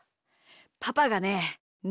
パパがねみ